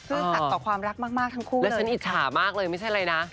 ซึ้งถัดต่อความรักมากทั้งคู่เลยแหละค่ะแล้วฉันอิจฉามากเลยไม่ใช่ไรนะ